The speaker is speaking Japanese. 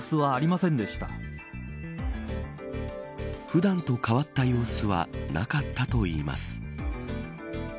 普段と変わった様子はなかったといいます。